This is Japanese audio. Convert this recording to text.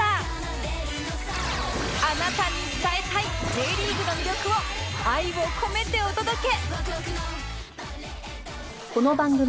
あなたに伝えたい Ｊ リーグの魅力を愛を込めてお届け！